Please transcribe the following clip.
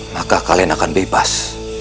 maka kalian akan bebas